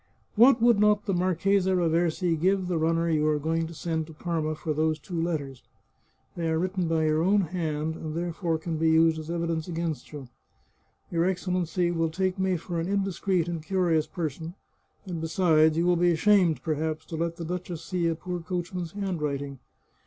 " What would not the Marchesa Raversi give the runner you are going to send to Parma for those two letters? They are written by your own hand, and therefore can be used as evidence against you. Your Excellency will take me for an indiscreet and curious person, and besides, you will be ashamed, perhaps, to let the duchess see a poor coachman's handwriting.